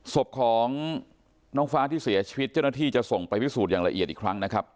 ศพของน้องฟ้าที่เสียชีวิตเจ้าหน้าที่จะส่งไปพิสูจน์อย่างละเอียดอีกครั้งนะครับ